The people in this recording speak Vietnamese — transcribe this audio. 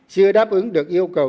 chưa đáp ứng được yêu cầu